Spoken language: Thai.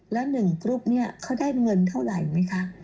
แล้วหนึ่งกรุ๊ปเนี่ยเขาได้เงินเท่าไหร่ไหมคะ